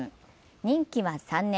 任期は３年。